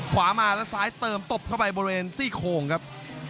มาแล้วซ้ายเติมตบเข้าไปบริเวณซี่โคงครับ